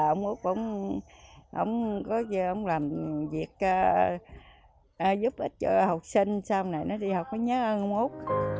ông úc cũng làm việc giúp ích cho học sinh sau này nó đi học có nhớ ông úc